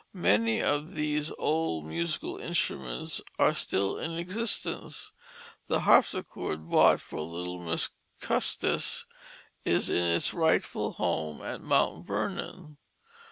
Many of these old musical instruments are still in existence. The harpsichord bought for "little Miss Custis" is in its rightful home at Mount Vernon.